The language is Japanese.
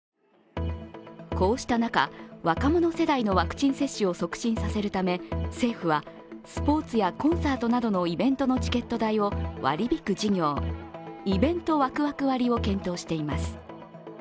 こうした中、若者世代のワクチン接種を促進させるため政府はスポーツやコンサートなどのイベントのチケット代を割り引く事業イベントワクワク割を検討しています。